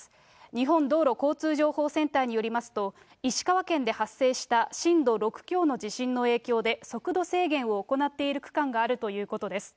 日本道路交通情報センターによりますと、石川県で発生した震度６強の地震の影響で、速度制限を行っている区間があるということです。